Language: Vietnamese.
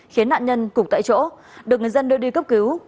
khiến nạn nhân cục tại chỗ được người dân đưa đi cấp cứu